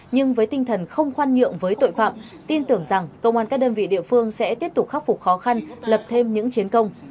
nhưng với tinh thần không khoan nhượng với tội phạm tin tưởng rằng công an các đơn vị địa phương sẽ tiếp tục khắc phục khó khăn lập thêm những chiến công